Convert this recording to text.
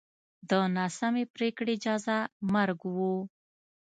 د ناسمې پرېکړې جزا مرګ و.